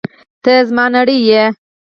ته زما نړۍ یې!